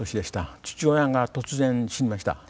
父親が突然死にました。